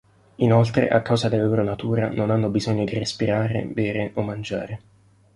Inoltre, a causa della loro natura, non hanno bisogno di respirare, bere o mangiare.